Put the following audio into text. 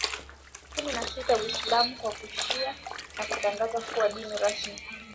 Kumi na sita Uislamu wa Kishia ulitangaziwa kuwa dini rasmi